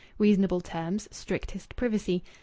Reasonable terms. Strictest privacy.